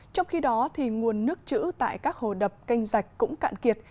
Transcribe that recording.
trong khi đó nguồn nước trữ tại các hồ đập canh rạch cũng cạn kiệt